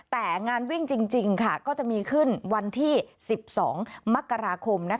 แต่งานวิ่งจริงก็จะมีขึ้นวันที่๑๒มกราคม